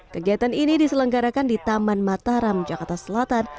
kegiatan ini diselenggarakan di taman mataram jakarta selatan